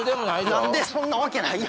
何でそんなわけない